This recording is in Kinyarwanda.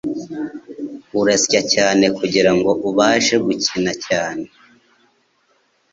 Urasya cyane kugirango ubashe gukina cyane.